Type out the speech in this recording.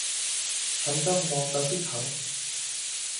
ฉันจ้องมองไปที่เขา